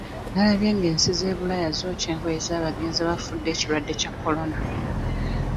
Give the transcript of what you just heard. Nalabye ng'ensi z'e Bulaya zookya engoye z'abagenzi abafudde ekirwadde kya Corona.